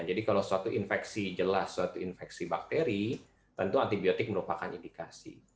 jadi kalau suatu infeksi jelas suatu infeksi bakteri tentu antibiotik merupakan indikasi